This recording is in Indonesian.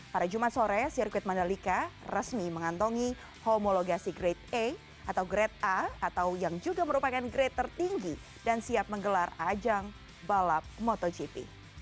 pada jumat sore sirkuit mandalika resmi mengantongi homologasi grade a atau grade a atau yang juga merupakan grade tertinggi dan siap menggelar ajang balap motogp